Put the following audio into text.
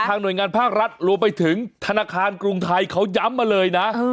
หน่วยงานภาครัฐรวมไปถึงธนาคารกรุงไทยเขาย้ำมาเลยนะ